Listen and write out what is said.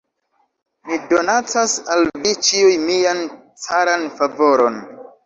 Mi donacas al vi ĉiuj mian caran favoron.